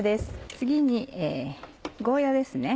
次にゴーヤですね。